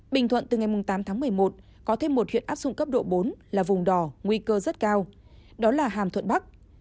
bình thuận từ ngày tám tháng một mươi một có thêm một huyện áp dụng cấp độ bốn là vùng đỏ nguy cơ rất cao đó là hàm thuận bắc